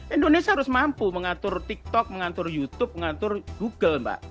indonesia harus mampu mengatur tiktok mengatur youtube mengatur google mbak